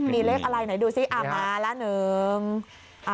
มีเลขอะไรหน่อยดูสิเอามาละ๑